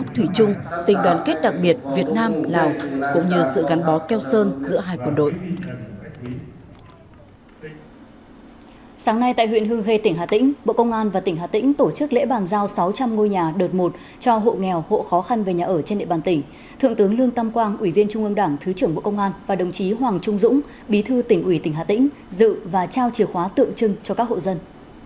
thượng tướng lương tâm quang ủy viên trung ương đảng thứ trưởng bộ công an và đồng chí hoàng trung dũng bí thư tỉnh ủy tỉnh hà tĩnh dự và trao chìa khóa tượng trưng cho các hộ dân